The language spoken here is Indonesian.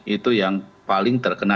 itu yang paling terkena